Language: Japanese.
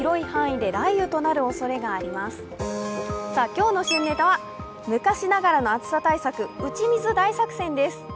今日の旬ネタは、昔ながらの暑さ対策、打ち水大作戦です。